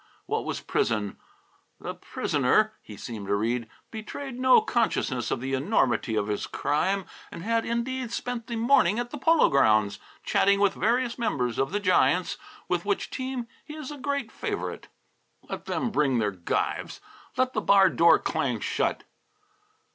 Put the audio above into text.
What was prison? "The prisoner," he seemed to read, "betrayed no consciousness of the enormity of his crime, and had, indeed, spent the morning at the Polo Grounds, chatting with various members of the Giants, with which team he is a great favourite." Let them bring their gyves. Let the barred door clang shut!